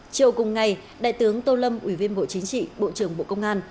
chiều cùng ngày đại tướng tô lâm ủy viên bộ chính trị bộ trưởng bộ công an